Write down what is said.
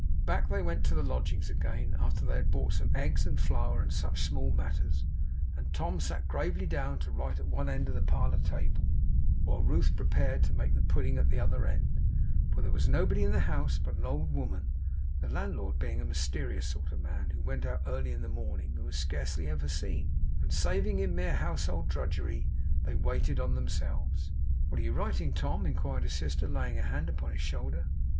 Back they went to the lodgings again, after they had bought some eggs, and flour, and such small matters; and Tom sat gravely down to write at one end of the parlour table, while Ruth prepared to make the pudding at the other end; for there was nobody in the house but an old woman (the landlord being a mysterious sort of man, who went out early in the morning, and was scarcely ever seen); and saving in mere household drudgery, they waited on themselves. 'What are you writing, Tom?' inquired his sister, laying her hand upon his shoulder.